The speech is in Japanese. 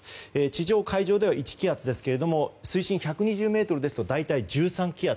地上、海上では１気圧ですけれども水深１２０ｍですと大体１３気圧。